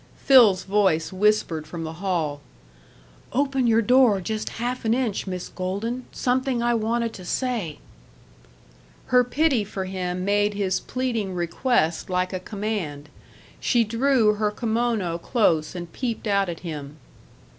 Phil's voice whispered from the hall: "Open your door just half an inch, Miss Golden. Something I wanted to say." Her pity for him made his pleading request like a command. She drew her kimono close and peeped out at him.